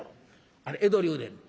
あれ江戸流でんねん。